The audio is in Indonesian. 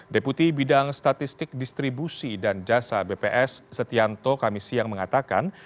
deputi bidang statistik distribusi dan jasa bps setianto kami siang mengatakan